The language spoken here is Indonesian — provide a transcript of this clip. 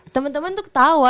temen temen tuh ketawa